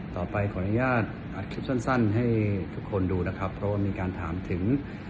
ต่อไปขออนุญาตอัดคลิปสั้น